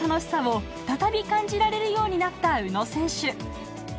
再び感じられるようになった宇野選手